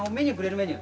メニュー。